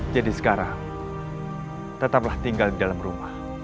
jadi sekarang tetaplah tinggal di dalam rumah